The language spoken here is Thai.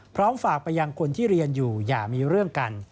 พร้อมฝากไปยังคนที่เรียนอยู่อย่ามีเรื่องกัน